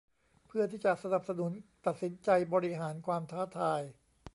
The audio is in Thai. เพื่อที่จะสนับสนุนตัดสินใจบริหารความท้าทาย